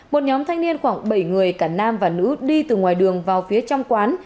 một nhóm thanh niên khoảng bảy người cả nam và nữ đi từ ngoài đường vào phía trong quán